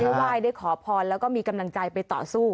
ไหว้ได้ขอพรแล้วก็มีกำลังใจไปต่อสู้